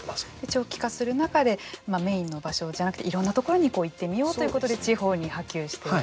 長期化する中でメインの場所じゃなくていろんな所に行ってみようということで地方に波及している。